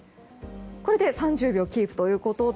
これで３０秒キープということで。